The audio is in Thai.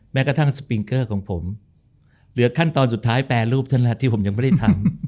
แม้กระทั่งสปิงเกอร์ของผมเหลือขั้นตอนสุดท้ายแปรรูปเท่านั้นที่ผมยังไม่ได้ทำ